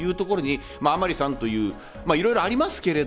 甘利さんという、いろいろありますけれど、